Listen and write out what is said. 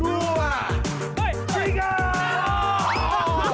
hei buku jangan